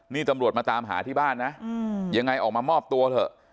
นี่ตำรวจมาตามหาที่บ้านนะยังไงออกมามอบตัวเถอะ